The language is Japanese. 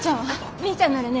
みーちゃんならね